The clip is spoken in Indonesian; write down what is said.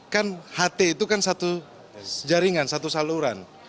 kan ht itu kan satu jaringan